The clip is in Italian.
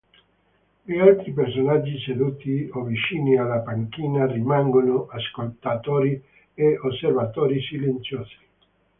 Gli altri personaggi seduti o vicini alla panchina rimangono ascoltatori e osservatori silenziosi.